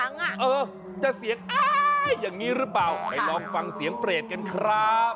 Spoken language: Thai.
น้องฟังเสียงเปรตกันครับ